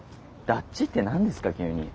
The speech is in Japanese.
だっちって何ですか急に。